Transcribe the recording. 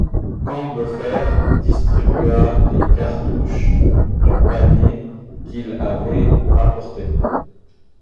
Combeferre distribua les cartouches du panier qu’il avait rapporté.